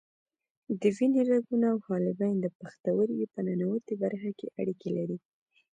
د وینې رګونه او حالبین د پښتورګي په ننوتي برخه کې اړیکې لري.